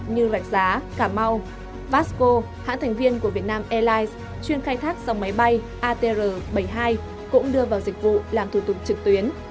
như rạch giá cà mau vasco hãng thành viên của vietnam airlines chuyên khai thác dòng máy bay atr bảy mươi hai cũng đưa vào dịch vụ làm thủ tục trực tuyến